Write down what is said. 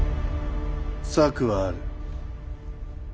策はある。